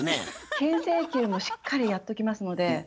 けん制球もしっかりやっときますので。